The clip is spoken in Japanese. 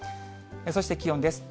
そして気温です。